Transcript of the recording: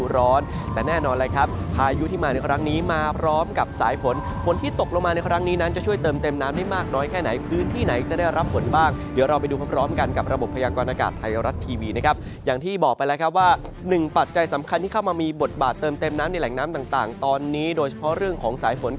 ร้อนแต่แน่นอนเลยครับพายุที่มาในครั้งนี้มาพร้อมกับสายฝนฝนที่ตกลงมาในครั้งนี้นั้นจะช่วยเติมเต็มน้ำได้มากน้อยแค่ไหนพื้นที่ไหนจะได้รับฝนบ้างเดี๋ยวเราไปดูพร้อมกันกับระบบพยากรณากาศไทยรัฐทีวีนะครับอย่างที่บอกไปแล้วครับว่าหนึ่งปัจจัยสำคัญที่เข้ามามีบทบาทเติมเต็มน้ำในแหล่งน้ำต่างตอนนี้โดยเฉพาะเรื่องของสายฝน